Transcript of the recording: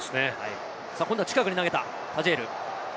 今度は近くに投げたタジェール。